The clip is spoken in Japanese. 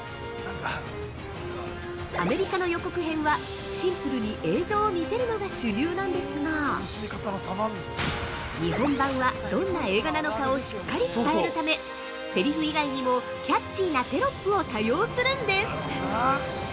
アメリカの予告編はシンプルに映像を見せるのが主流なんですが日本版は、どんな映画なのかを伝えるためセリフ以外にも、キャッチーなテロップを多用するんです。